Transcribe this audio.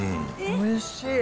おいしい。